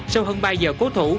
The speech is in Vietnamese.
sau hơn ba giờ cố thủ